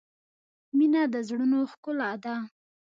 • مینه د زړونو ښکلا ده.